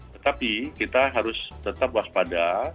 tetapi kita harus tetap waspada